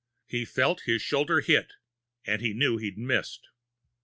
He felt his shoulder hit. And he knew he'd missed.